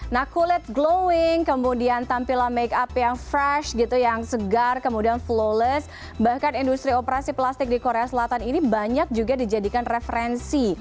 nah kulit glowing kemudian tampilan make up yang fresh gitu yang segar kemudian flowless bahkan industri operasi plastik di korea selatan ini banyak juga dijadikan referensi